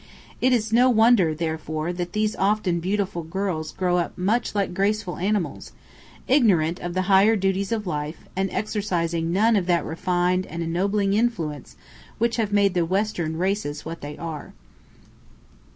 It is no wonder, therefore, that these often beautiful girls grow up much like graceful animals, ignorant of the higher duties of life, and exercising none of that refining and ennobling influence which have made the Western races what they are.